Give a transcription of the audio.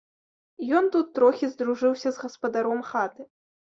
Ён тут трохі здружыўся з гаспадаром хаты.